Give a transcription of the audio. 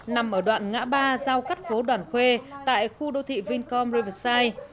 nằm ở đoạn ngã ba giao cắt phố đoàn khuê tại khu đô thị vincom riverside